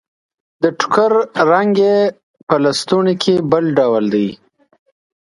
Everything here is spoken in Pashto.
د ټوکر رنګ يې په لستوڼي کې بل ډول دی.